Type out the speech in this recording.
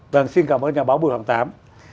vâng xin cảm ơn nhà báo bùi hoàng tám